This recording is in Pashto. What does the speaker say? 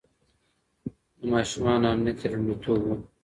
د ماشومانو امنيت يې لومړيتوب و.